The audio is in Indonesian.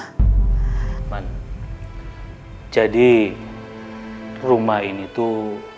cuman jadi rumah ini tuh